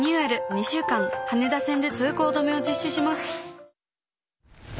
２週間羽田線で通行止めを実施します。